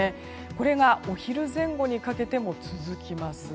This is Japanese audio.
これがお昼前後にかけても続きます。